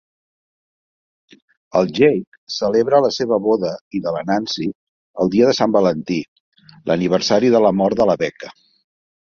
El Jake celebra la seva boda i de la Nancy el dia de Sant Valentí, l'aniversari de la mort de la Becca.